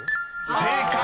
［正解！